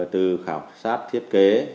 từ khảo sát thiết kế